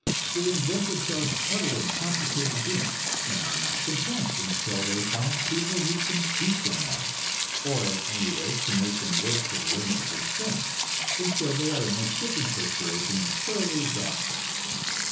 They invent themselves subtle and complicated games, and are not content until they find people who can beat them at it, or at any rate can make them work to the limit of their strength, until they are in a dripping perspiration and thoroughly exhausted!